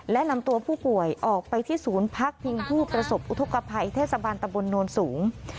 และนำตัวผู้ป่วยออกไปที่ศูนย์พักพิงผู้ประสบอุทธกภัยเทศบาลตะบนโนนสูง